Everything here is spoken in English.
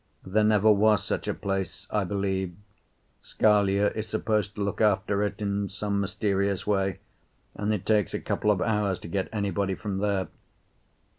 There never was such a place, I believe. Scalea is supposed to look after it in some mysterious way, and it takes a couple of hours to get anybody from there.